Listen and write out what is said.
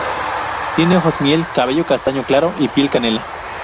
Tiene ojos miel, cabello castaño claro y piel canela.